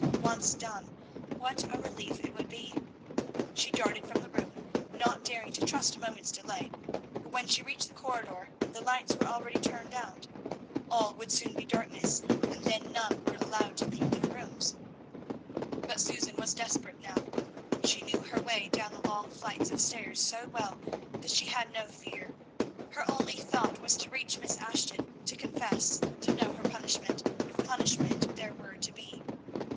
Once done, what a relief it would be! She darted from the room, not daring to trust a moment's delay; but when she reached the corridor the lights were already turned out. All would soon be darkness, and then none were allowed to leave their rooms. But Susan was desperate now; she knew her way down the long flights of stairs so well that she had no fear: her only thought was to reach Miss Ashton, to confess, to know her punishment, if punishment there were to be.